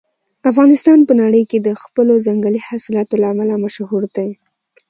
افغانستان په نړۍ کې د خپلو ځنګلي حاصلاتو له امله مشهور دی.